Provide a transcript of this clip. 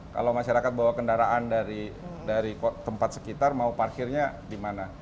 kalau masyarakat bawa kendaraan dari tempat sekitar mau parkirnya di mana